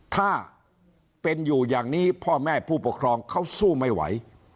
ถ้าเป็นอยู่อย่างนี้พ่อแม่ผู้ปกครองเขาสู้ไม่ไหว